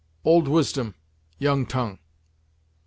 Old wisdom young tongue."